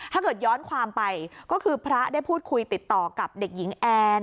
ย้อนความไปก็คือพระได้พูดคุยติดต่อกับเด็กหญิงแอน